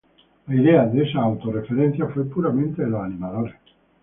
La idea de esa auto-referencia fue puramente de los animadores.